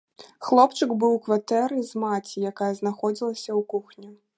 Хлопчык быў у кватэры з маці, якая знаходзілася ў кухні.